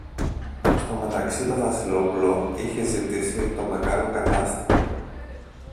στο μεταξύ το Βασιλόπουλο είχε ζητήσει το μεγάλο Κατάστιχο